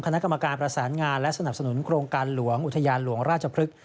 คณะกรรมการประสานงานและสนับสนุนโครงการหลวงอุทยานหลวงราชพฤกษ